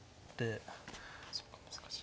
そうか難しい。